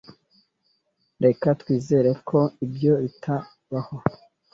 Reka twizere ko ibyo bitabaho.